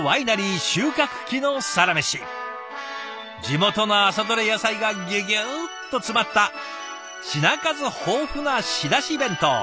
地元の朝どれ野菜がギュギュッと詰まった品数豊富な仕出し弁当。